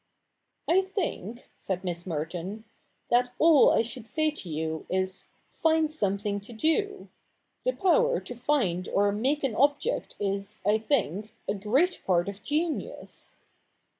' I think," said Miss Merton, 'that all I should say to you is, find something to do. The power to find or make an object is, I think, a great part of genius.